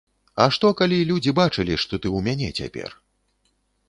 А што, калі людзі бачылі, што ты ў мяне цяпер.